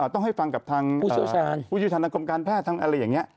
ต้องให้ฟังกับทางผู้ชื่อชาญทางกรรมการแพทย์ทางอะไรอย่างนี้